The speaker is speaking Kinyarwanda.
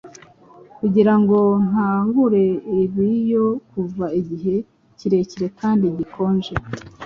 kugira ngo nkangure Abiyo kuva igihe kirekire kandi gikonje